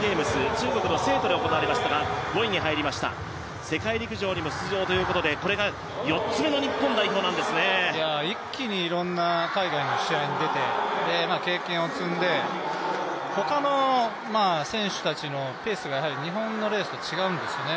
中国で行われましたが世界陸上にも出場ということでこれが４つ目の日本代表なんですね一気にいろんな海外の試合に出て経験を積んで、ほかの選手たちのペースがやはり日本のレースと違うんですよね。